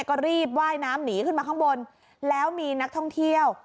ก็รีบว่ายน้ำหนีขึ้นมาข้างบนแล้วมีนักท่องเที่ยว